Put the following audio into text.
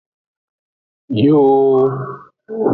Yooo.